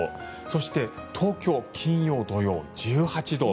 そして、東京金曜、土曜、１８度。